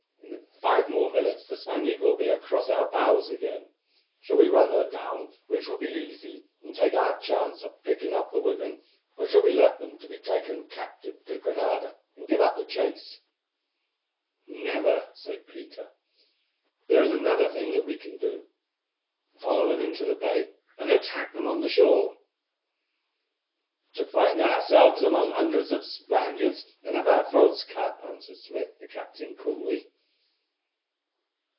In five more minutes the Spaniard will be across our bows again. Shall we run her down, which will be easy, and take our chance of picking up the women, or shall we let them be taken captive to Granada and give up the chase?" "Never," said Peter. "There is another thing that we can do—follow them into the bay, and attack them there on shore." "To find ourselves among hundreds of the Spaniards, and have our throats cut," answered Smith, the captain, coolly.